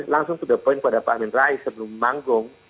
langsung sudah poin kepada pak amin rais sebelum manggung